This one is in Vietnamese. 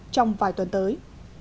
trong vài tuần tới